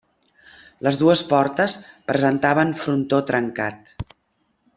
Les dues portes presentaven frontó trencat.